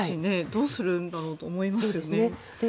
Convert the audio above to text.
どうするんだろうと思いますよね。